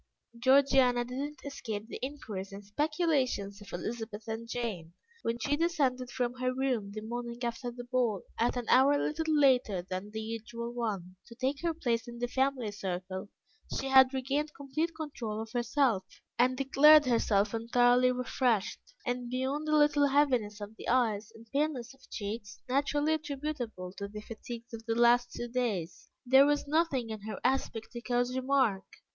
Georgiana did not escape the inquiries and speculations of Elizabeth and Jane. When she descended from her room the morning after the ball, at an hour little later than her usual one, to take her place in the family circle, she had regained complete control of herself, and declared herself entirely refreshed, and beyond a little heaviness of the eyes and paleness of cheeks, naturally attributable to the fatigues of the last two days, there was nothing in her aspect to cause remark.